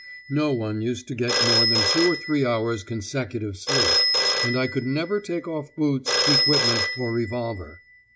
No one used to get more than two or three hours' consecutive sleep, and I could never take off boots, equipment, or revolver.